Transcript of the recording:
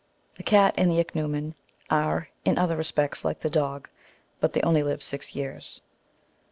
The cat and the ichneumon are, in other respects,*^ like the dog ; but they only live six years.